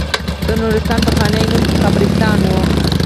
د نورستان پخوانی نوم کافرستان و.